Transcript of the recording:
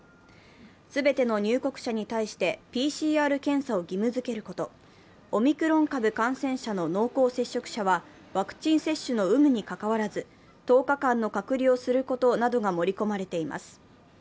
全ての入国者に対して、ＰＣＲ検査を義務づけること、オミクロン株感染者の濃厚接触者は、ワクチン接種の有無にかかわらず１０日間の隔離をすることなどが盛り込まれています。